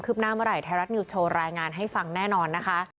ไทยรัฐนิวส์โชว์รายงานให้ฟังแน่นอนนะคะ